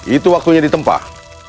itu waktunya ditempah